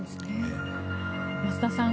増田さん